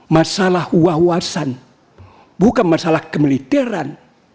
masalah wawasan bukan masalah kemiliteran